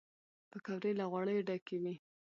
پکورې له غوړیو ډکې وي